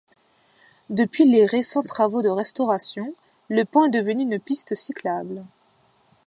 Depuis les récents travaux de restaurations, le pont est devenu une piste cyclable.